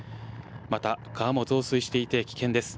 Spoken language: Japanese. また川も増水していて危険です。